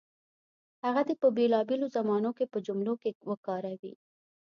هغه دې په بېلابېلو زمانو کې په جملو کې وکاروي.